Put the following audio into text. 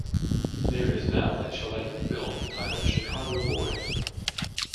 There is now a Chilean film titled Chicago Boys.